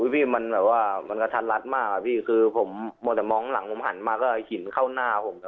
พี่มันแบบว่ามันกระทันลัดมากอะพี่คือผมมัวแต่มองหลังผมหันมาก็หินเข้าหน้าผม